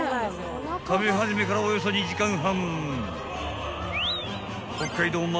［食べ始めからおよそ２時間半］